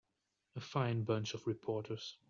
A fine bunch of reporters.